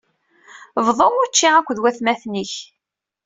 Bḍu učči akked watmaten-ik.